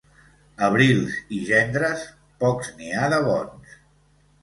Abrils i gendres, pocs n'hi ha de bons.